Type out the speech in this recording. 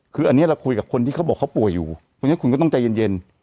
คืออันนี้เราคุยกับคนที่เขาบอกเขาป่วยอยู่เพราะฉะนั้นคุณก็ต้องใจเย็น